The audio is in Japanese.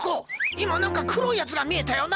今何か黒いやつが見えたよな？